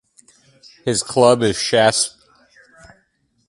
His club is Shaftesbury Barnet Harriers in North London.